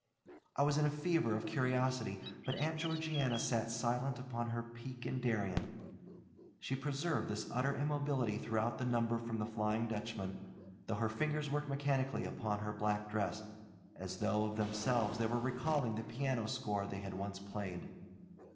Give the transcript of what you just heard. I was in a fever of curiosity, but Aunt Georgiana sat silent upon her peak in Darien. She preserved this utter immobility throughout the number from The Flying Dutchman, though her fingers worked mechanically upon her black dress, as though, of themselves, they were recalling the piano score they had once played.